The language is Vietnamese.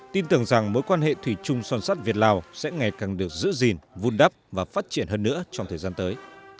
tin tưởng rằng mối quan hệ thủy chung son sắt việt lào sẽ ngày càng được giữ gìn vun đắp và phát triển hơn nữa trong thời gian tới